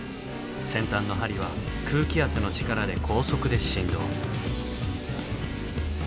先端の針は空気圧の力で高速で振動。